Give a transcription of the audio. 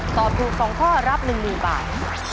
ตอบถูก๒ข้อรับ๑๐๐๐บาท